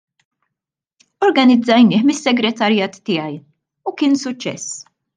Organizzajnieh mis-Segretarjat tiegħi u kien suċċess.